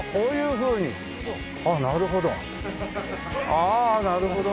ああなるほど。